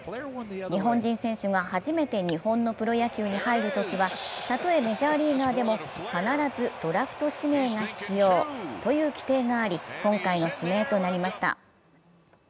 日本人選手が初めて日本のプロ野球に入るときはたとえメジャーリーガーでも必ずドラフト指名が必要という規定があり、今回の指名となりました。